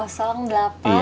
eh assalamualaikum ce